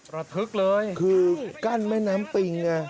ระทึกเลยคือกั้นแม่น้ำปิงไง